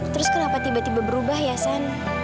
terus kenapa tiba tiba berubah ya san